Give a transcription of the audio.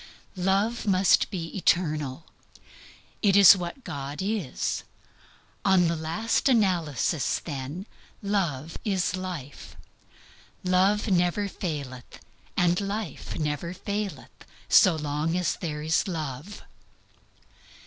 Love must be eternal. It is what God is. On the last analysis, then, love is life. Love never faileth, and life never faileth, so long as there is love.